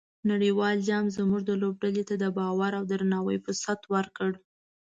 نړیوال جام زموږ لوبډلې ته د باور او درناوي فرصت ورکړ.